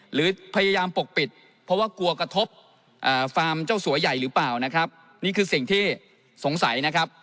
หรือพยายามปกปิดเพราะว่ากลัวกระทบฟาร์มเจ้าสัวใหญ่หรือเปล่านะครับนี่คือสิ่งที่สงสัยนะครับ